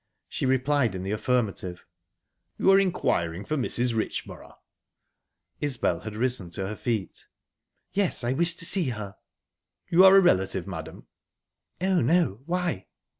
She replied in the affirmative. "You are inquiring for Mrs. Richborough?" Isbel had risen to her feet. "Yes; I wish to see her." "You are a relative, madam?" "Oh, no. Why?"